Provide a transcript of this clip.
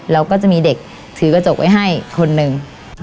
แล้วก็จะมีเด็กถือกระจกไว้ให้คนหนึ่ง